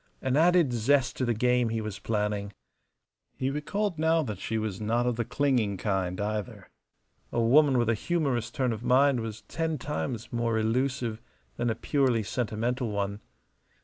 An added zest to the game he was planning. He recalled now that she was not of the clinging kind either. A woman with a humorous turn of mind was ten times more elusive than a purely sentimental one.